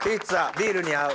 ビールに合う。